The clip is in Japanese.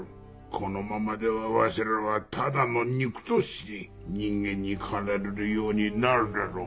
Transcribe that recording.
このままではわしらはただの肉として人間に狩られるようになるだろう。